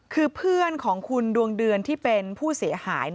คือเพื่อนของคุณดวงเดือนที่เป็นผู้เสียหาย